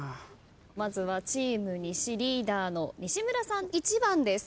まずはチーム西リーダーの西村さん１番です。